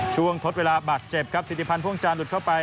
ทดเวลาบาดเจ็บครับธิติพันธ์พ่วงจานหลุดเข้าไป